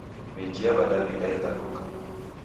Miji ya w'adaw'ida ighaluke.